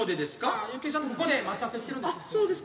幸恵ちゃんとここで待ち合わせしてるんです。